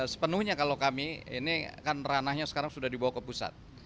sepenuhnya kalau kami ini kan ranahnya sekarang sudah dibawa ke pusat